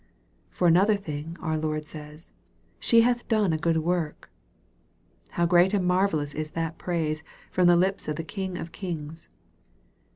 For another thing, our Lord says, " She hath done a good work." How great and marvellous is that praise, from the lips of the King of kings